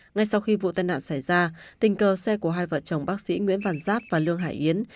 ngay sau khi vụ tai nạn xảy ra tình cờ xe của hai vợ chồng bác sĩ nguyễn văn giáp và lương hải yến